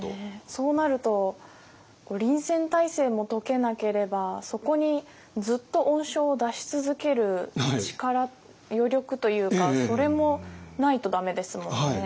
そうなると臨戦体制も解けなければそこにずっと恩賞を出し続ける力余力というかそれもないと駄目ですもんね。